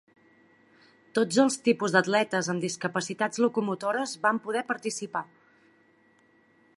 Tots els tipus d'atletes amb discapacitats locomotores van poder participar.